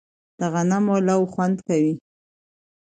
د غنمو لو خوند کوي